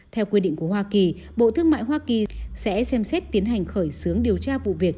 theo quy định của hoa kỳ bộ thương mại hoa kỳ sẽ xem xét tiến hành khởi xướng điều tra vụ việc